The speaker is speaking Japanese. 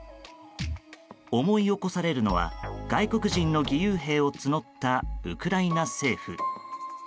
思い起こされるのは外国人の義勇兵を募ったウクライナ政府。